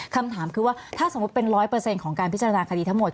คำถามคือว่าถ้าสมมุติเป็น๑๐๐ของการพิจารณาคดีทั้งหมด